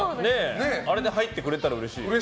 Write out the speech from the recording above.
あれで入ってくれたらうれしいね。